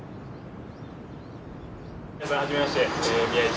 皆さんはじめまして宮市です。